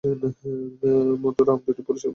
মুথু আর রাম দুটোই পুরুষ মানুষের মতো।